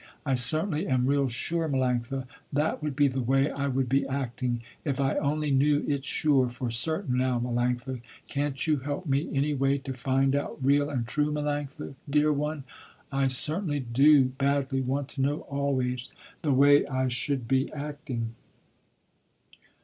I certainly am real sure, Melanctha, that would be the way I would be acting, if I only knew it sure for certain now, Melanctha. Can't you help me any way to find out real and true, Melanctha, dear one. I certainly do badly want to know always, the way I should be acting."